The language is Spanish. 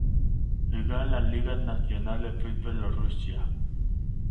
Jugó en la Liga Nacional de Fútbol de Rusia.